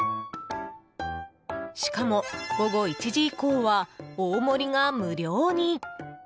しかも午後１時以降は大盛りが無料に。